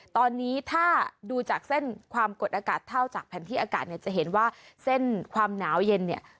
ตอนนี้ถ้าดูจากเส้นความกดอากาศเท่าจากแผนที่อากาศเนี่ยจะเห็นว่าเส้นความหนาวเย็นเนี่ย